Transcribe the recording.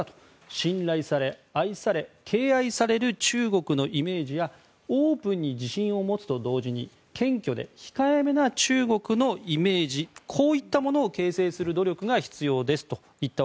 信頼され、愛され敬愛される中国のイメージやオープンに自信を持つと同時に謙虚で控え目な中国のイメージこういったものを形成する努力が必要ですと。